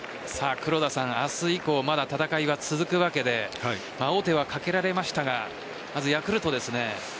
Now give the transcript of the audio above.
黒田さん明日以降、まだ戦いは続くわけで王手はかけられましたがまずヤクルトですね。